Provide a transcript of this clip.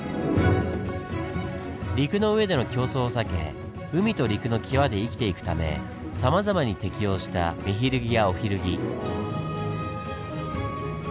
陸の上での競争を避け海と陸のキワで生きていくためさまざまに適応したメヒルギやオヒルギ。